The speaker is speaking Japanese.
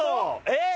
えっ！